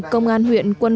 công an huyện quân an